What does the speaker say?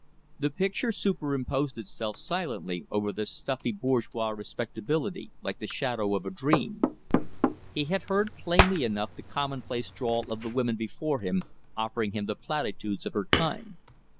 The picture super imposed itself silently over this stuffy bourgeois respectability, like the shadow of a dream. He heard plainly enough the commonplace drawl of the woman before him offering him the platitudes of her kind.